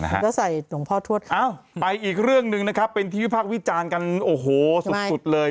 นี่นะฮะเอาไปอีกเรื่องหนึ่งนะครับเป็นทีวิภาควิจารณ์กันโอ้โฮสุดเลย